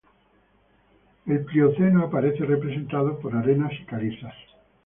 El Plioceno aparece representado por arenas y calizas.